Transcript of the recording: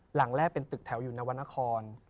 หลังแรกเป็นตึกแถวอยู่นวรรณคร